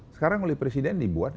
sekarang oleh presiden dibuat